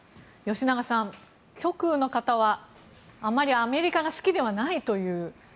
吉永さん、極右の方はあまりアメリカが好きではないという。